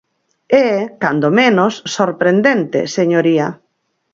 É, cando menos, sorprendente, señoría.